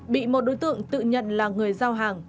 bị một đối tượng tự nhận là người giao hàng